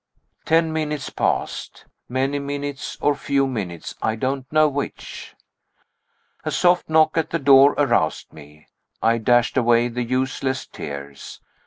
The minutes passed. Many minutes or few minutes, I don't know which. A soft knock at the door aroused me. I dashed away the useless tears.